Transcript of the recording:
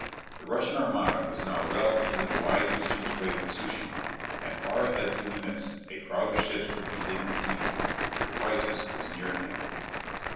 The Russian armada was now well into the wide eastern strait of Tsu shima, and far ahead through the mist a crowd of ships could be dimly seen. The crisis was near at hand.